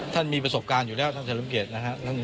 ท่านมีประสบการณ์อยู่แล้วท่านเสริมเกียจนะครับ